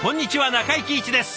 中井貴一です。